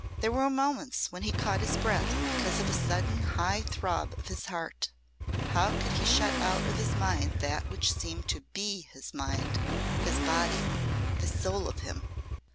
There were moments when he caught his breath because of a sudden high throb of his heart. How could he shut out of his mind that which seemed to be his mind his body the soul of him!